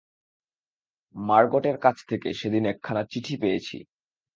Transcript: মার্গটের কাছ থেকে সেদিন একখানা চিঠি পেয়েছি।